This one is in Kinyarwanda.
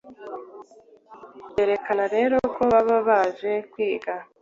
byerekana rero ko baba baje kwiga.